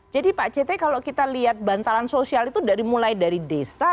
jadi pak cethe kalau kita lihat bantalan sosial itu mulai dari desa